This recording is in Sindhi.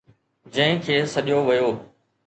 جنهن کي سڏيو ويو